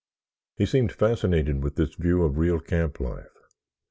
He seemed fascinated with this view of real camp life.